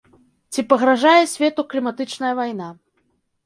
Ці пагражае свету кліматычная вайна?